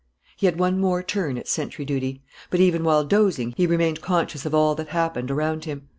He had one more turn at sentry duty. But, even while dozing, he remained conscious of all that happened around him.